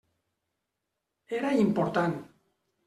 Era important.